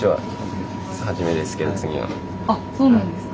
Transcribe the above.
あっそうなんですか？